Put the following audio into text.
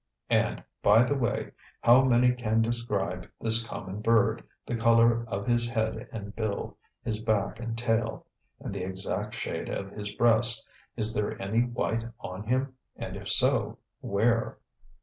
And, by the way, how many can describe this common bird, the color of his head and bill, his back and tail, and the exact shade of his breast. Is there any white on him, and if so, where?